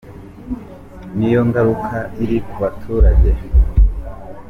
Ni yo ngaruka iri ku baturage.”